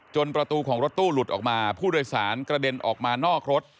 ประตูของรถตู้หลุดออกมาผู้โดยสารกระเด็นออกมานอกรถ